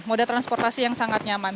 moda transportasi yang sangat nyaman